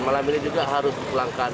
malam ini juga harus dipulangkan